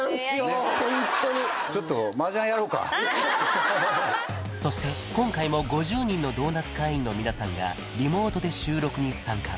ホントにちょっとそして今回も５０人のドーナツ会員の皆さんがリモートで収録に参加